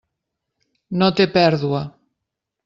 No té pèrdua.